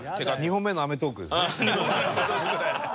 ２本目の『アメトーーク』ですね。